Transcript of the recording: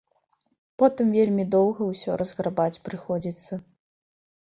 Потым вельмі доўга ўсё разграбаць прыходзіцца.